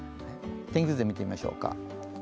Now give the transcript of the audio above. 天気図で見てみましょうか。